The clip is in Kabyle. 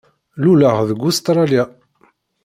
Luleɣ deg Ustṛalya.